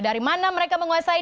dari mana mereka menguasai